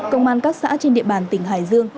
công an các xã trên địa bàn tỉnh hải dương